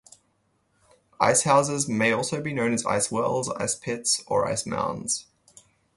Ice houses may also be known as ice wells, ice pits or ice mounds.